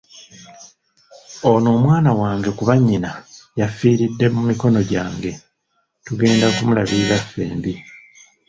Ono omwana wange kuba nnyina yafiiridde mu mikono gyange, tugenda kumulabirira ffembi.